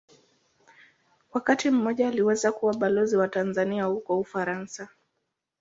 Wakati mmoja aliweza kuwa Balozi wa Tanzania huko Ufaransa.